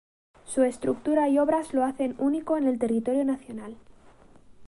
Su estructura y obras lo hacen único en el territorio nacional.